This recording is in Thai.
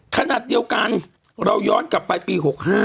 ขณะเดียวกันเราย้อนกลับไปปี๖๕